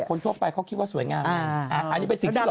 คนทั่วไปเขาคิดว่าสวยงามอันนี้เป็นสิ่งที่หล